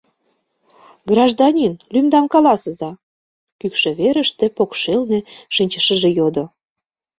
— Гражданин, лӱмдам каласыза! — кӱкшӧ верыште покшелне шинчышыже йодо.